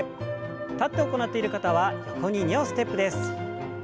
立って行っている方は横に２歩ステップです。